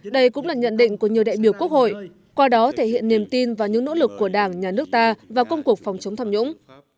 đây cũng là nhận định của nhiều đại biểu quốc hội qua đó thể hiện niềm tin và những nỗ lực của đảng nhà nước ta vào công cuộc phòng chống tham nhũng